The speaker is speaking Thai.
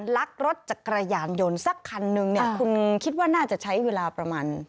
ลักรถจักรยานยนต์สักคันนึงเนี่ยคุณคิดว่าน่าจะใช้เวลาประมาณ